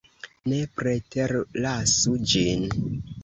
Ne preterlasu ĝin.